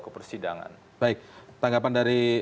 ke persidangan baik tanggapan dari